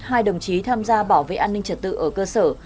hai đồng chí tham gia bảo vệ an ninh trật tự ở cơ sở